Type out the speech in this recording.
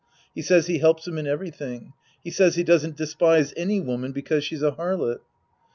He says he helps him in everything. He says he doesn't despise any woman because she's a harlot.